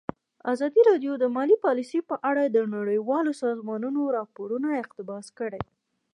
ازادي راډیو د مالي پالیسي په اړه د نړیوالو سازمانونو راپورونه اقتباس کړي.